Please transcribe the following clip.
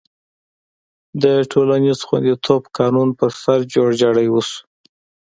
د ټولنیز خوندیتوب قانون پر سر جوړجاړی وشو.